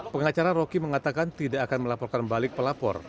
pengacara roky mengatakan tidak akan melaporkan balik pelapor